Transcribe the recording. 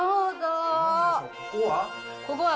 ここは？